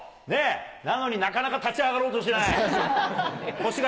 なのに、なかなか立ち上がろうとしない。